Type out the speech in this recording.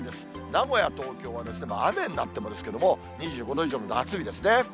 名古屋、東京は雨になってますけれども、２５度以上の夏日ですね。